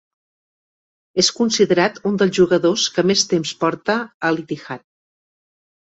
És considerat un dels jugadors que més temps porta a l'Ittihad.